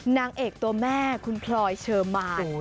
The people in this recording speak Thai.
นางเอกตัวแม่คุณพลอยเชอร์มาน